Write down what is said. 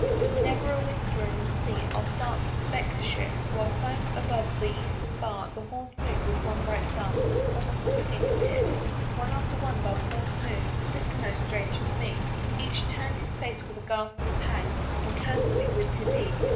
With never a whisper in the Sea Off darts the Spectre ship; While clombe above the Eastern bar The horned Moon, with one bright Star Almost atween the tips. One after one by the horned Moon (Listen, O Stranger! to me) Each turn'd his face with a ghastly pang And curs'd me with his ee.